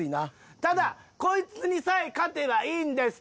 ただこいつにさえ勝てばいいんです。